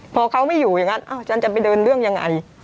พอเขาไม่อยู่อย่างนั้นฉันจะไปเดินเรื่องยังไง